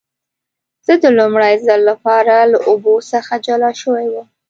زه د لومړي ځل لپاره له اوبو څخه جلا شوی وم.